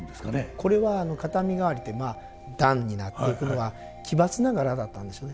これは片身替わりってまあ段になっていくのは奇抜な柄だったんでしょうね。